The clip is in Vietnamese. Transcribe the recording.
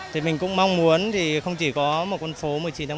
thì mình cũng mong muốn thì không chỉ có một con phố một mươi chín tháng một mươi hai